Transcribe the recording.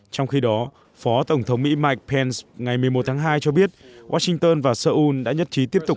trong khi đó phó tổng thống mỹ mike pence ngày một mươi một tháng hai cho biết washington và seoul đã nhất trí tiếp tục